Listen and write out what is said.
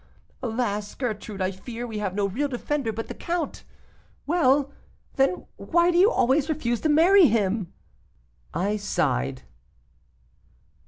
Alas! Gertrude, I fear we have no real defender but the count.' 'Well! then, why do you always refuse to marry him?' I sighed."